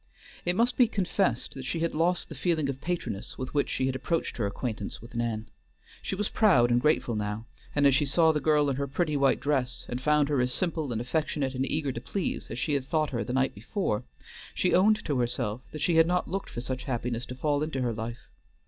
It must be confessed that she had lost the feeling of patroness with which she had approached her acquaintance with Nan. She was proud and grateful now, and as she saw the girl in her pretty white dress, and found her as simple and affectionate and eager to please as she had thought her the night before, she owned to herself that she had not looked for such happiness to fall into her life.